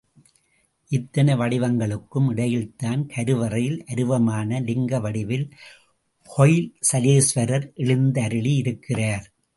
இத்தனை வடிவங்களுக்கும் இடையில்தான் கருவறையில் அருவமான லிங்க வடிவில் ஹொய்சலேஸ்வரர் எழுந்தருளியிருக்கிறார்.